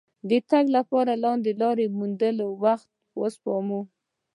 د تګ لپاره لنډې لارې موندل وخت سپموي.